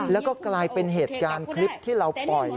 แล้วก็กลายเป็นเหตุการณ์คลิปที่เราปล่อย